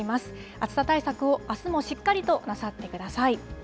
暑さ対策をあすもしっかりとなさってください。